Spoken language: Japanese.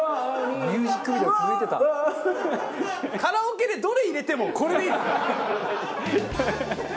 カラオケでどれ入れてもこれでいいですね。